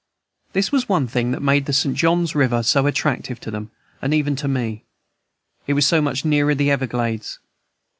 This was one thing that made the St. John's River so attractive to them and even to me; it was so much nearer the everglades.